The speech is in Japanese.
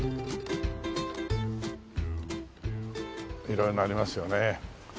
色んなのありますよね。